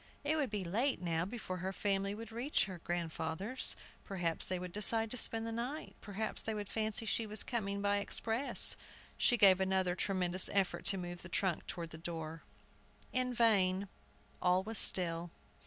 It would be late now before her family would reach her grandfather's. Perhaps they would decide to spend the night. Perhaps they would fancy she was coming by express. She gave another tremendous effort to move the trunk toward the door. In vain. All was still.